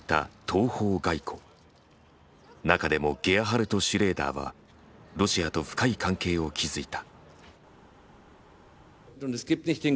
中でもゲアハルト・シュレーダーはロシアと深い関係を築いた。